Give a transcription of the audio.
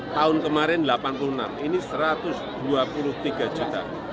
tahun kemarin delapan puluh enam ini satu ratus dua puluh tiga juta